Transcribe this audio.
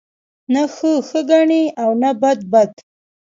نه ښه ښه گڼي او نه بد بد